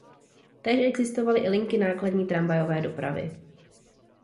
Též existovaly i linky nákladní tramvajové dopravy.